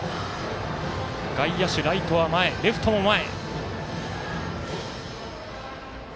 外野手、ライト、レフト前。